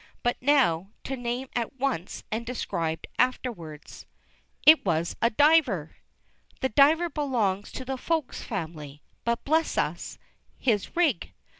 But now, to name at once and describe afterwards, It was a diver! The diver belongs to the Folks family, but, bless us, his rig!